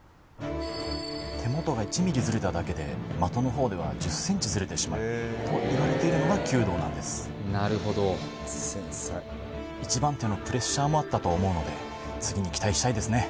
手元が１ｍｍずれただけで的の方では１０ｃｍずれてしまうといわれているのが弓道なんですなるほど１番手のプレッシャーもあったと思うので次に期待したいですね